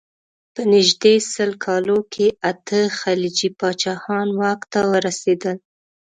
په نژدې سل کالو کې اته خلجي پاچاهان واک ته ورسېدل.